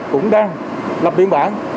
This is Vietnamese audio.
cũng đang lập biển bản